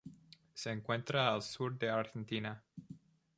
Se encuentra al sur de Argentina.